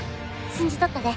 信じとったで。